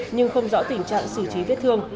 nhưng không rõ tình trạng xử trí viết thương